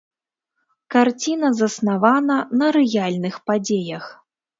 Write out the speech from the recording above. Карціна заснавана на рэальных падзеях.